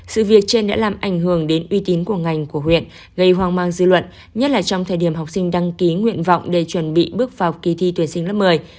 sự việc trên đã làm ảnh hưởng đến uy tín của ngành của huyện gây hoang mang dư luận nhất là trong thời điểm học sinh đăng ký nguyện vọng để chuẩn bị bước vào kỳ thi tuyển sinh lớp một mươi